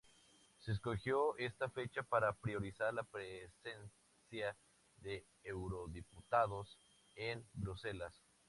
Se escogió esta fecha para priorizar la presencia de eurodiputados en Bruselas.